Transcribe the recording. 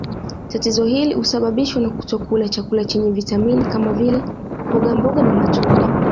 Tatizo hili husababishwa na kutokula chakula chenye vitamini kama vile mbogamboga na matunda